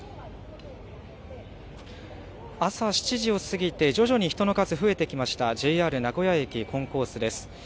朝７時を過ぎて、徐々に人の数、増えてきました、ＪＲ名古屋駅コンコースです。